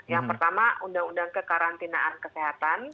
yang pertama undang undang kekarantinaan kesehatan